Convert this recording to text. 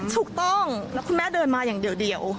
ถูกต้องแล้วคุณแม่เดินมาอย่างเดียว